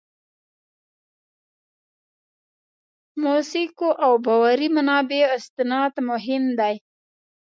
موثقو او باوري منابعو استناد مهم دی.